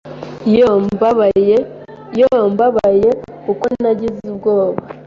Yoo mbabaye! uko nagize ubwoba